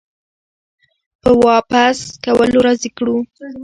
په واپس کولو راضي کړو